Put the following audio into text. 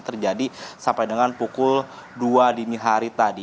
terjadi sampai dengan pukul dua dini hari tadi